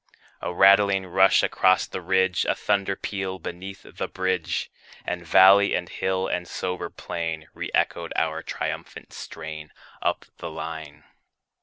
A rattling rush across the ridge, A thunder peal beneath the bridge; And valley and hill and sober plain Re echoed our triumphant strain, Up the line.